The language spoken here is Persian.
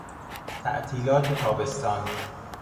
تعطیلات تابستان